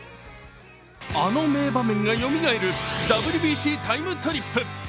あの名場面がよみがえる「ＷＢＣＴＩＭＥ，トリップ」。